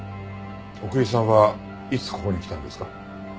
奥居さんはいつここに来たんですか？